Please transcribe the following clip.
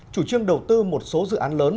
chủ trương đầu tư một số dự án lớn